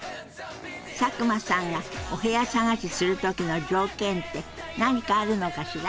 佐久間さんがお部屋探しする時の条件って何かあるのかしら？